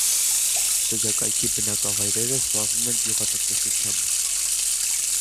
Շրջակայքի բնակավայրերը զբաղվում են գյուղատնտեսությամբ։